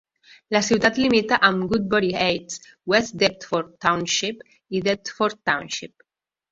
La ciutat limita amb Woodbury Heights, West Deptford Township i Deptford Township.